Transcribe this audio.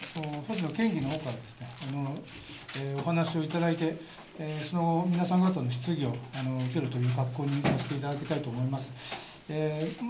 まずは星野県議からお話をいただいて、その後、皆さん方の質疑を受けるという格好にさせていただきたいと思います。